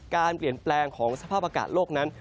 การเปลี่ยนแปลงของสภาพอากาศโลกนั้น